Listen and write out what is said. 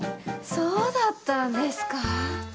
そうだったんですかぁ。